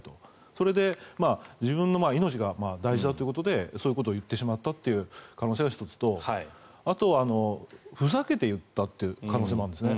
それで自分の命が大事だということでそういうことを言ってしまったという可能性が１つとあとは、ふざけて言ったという可能性もあるんですね。